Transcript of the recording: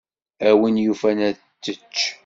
A win yufan ad tečč.